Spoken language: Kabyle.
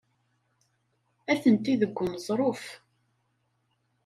Atenti deg uneẓruf.